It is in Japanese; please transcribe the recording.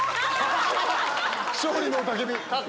勝利の雄たけび。